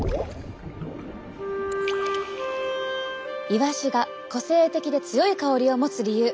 イワシが個性的で強い香りを持つ理由。